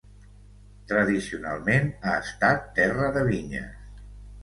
Tradicionalment ha estat terra de vinyes.